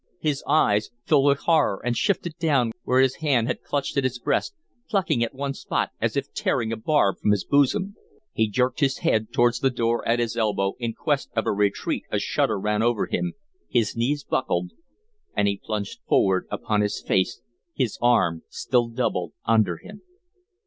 His eyes filled with horror and shifted down where his hand had clutched at his breast, plucking at one spot as if tearing a barb from his bosom. He jerked his head towards the door at his elbow in quest of a retreat a shudder ran over him, his knees buckled and he plunged forward upon his face, his arm still doubled under him.